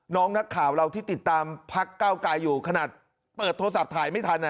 นักข่าวเราที่ติดตามพักเก้าไกลอยู่ขนาดเปิดโทรศัพท์ถ่ายไม่ทัน